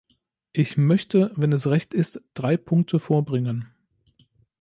Ich möchte, wenn es recht ist, drei Punkte vorbringen.